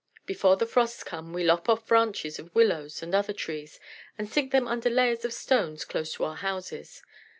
Before the frosts come we lop off branches of willows and other trees, and sink them under layers of stones close to our houses.